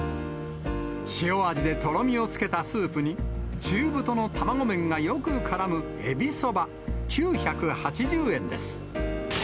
塩味でとろみをつけたスープに、中太の卵麺がよく絡むえびそば９８０円です。